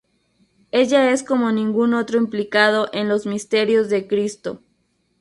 Ella es como ningún otro implicado en los misterios de Cristo.